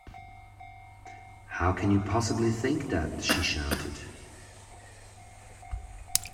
How can you possibly think that? she shouted